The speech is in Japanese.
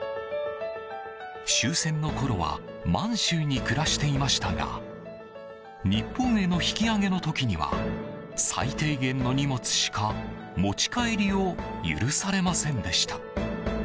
終戦のころは満州に暮らしていましたが日本への引き揚げの時には最低限の荷物しか持ち帰りを許されませんでした。